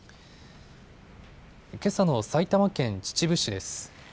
けさの埼玉県秩父市です。